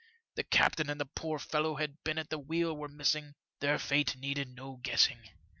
The captain and the poor fellow who had been at the wheel were missing, their fate needed no guessing.